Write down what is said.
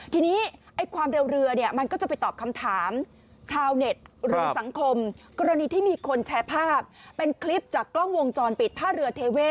ทีนี้ความเร็วเรือเนี่ยมันก็จะไปตอบคำถามชาวเน็ตหรือสังคมกรณีที่มีคนแชร์ภาพเป็นคลิปจากกล้องวงจรปิดท่าเรือเทเว่